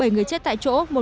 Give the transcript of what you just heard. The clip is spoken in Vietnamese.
bảy người chết tại chỗ